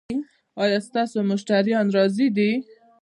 ایا ستاسو مشتریان راضي دي؟